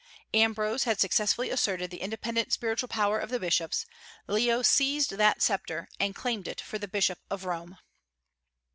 Ambrose had successfully asserted the independent spiritual power of the bishops; Leo seized that sceptre and claimed it for the Bishop of Rome.